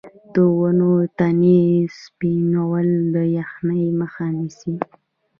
د ونو تنې سپینول د یخنۍ مخه نیسي؟